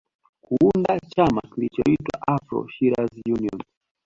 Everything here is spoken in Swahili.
Kuunda chama kilichoitwa Afro Shirazi Union